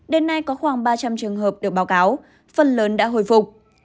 đến nay có khoảng ba trăm linh trường hợp được báo cáo phần lớn đã hồi phục